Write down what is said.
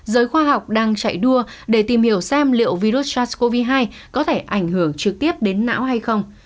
giới khoa học đang chạy đua để tìm hiểu xem liệu virus sars cov hai có thể ảnh hưởng trực tiếp đến não hay không